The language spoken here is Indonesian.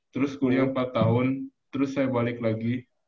terus kuliah empat tahun terus saya balik lagi